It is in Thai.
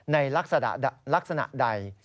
ในลักษณะใด